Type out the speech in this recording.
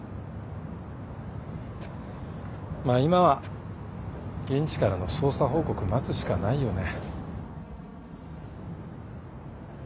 まあ今は現地からの捜査報告待つしかないよね。